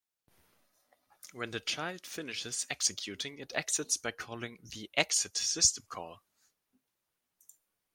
When the child finishes executing, it exits by calling the "exit" system call.